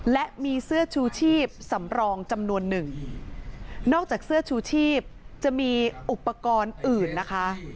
และมีเสื้อชูชีพสำรองจำนวนหนึ่งนอกจากเสื้อชูชีพจะมีอุปกรณ์อื่นนะคะ